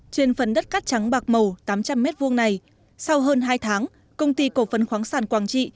trên phần đất cát trắng bạc màu tám trăm linh m hai này sau hơn hai tháng công ty cổ phần khoáng sản quảng trị